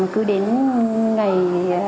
cứ đến ngày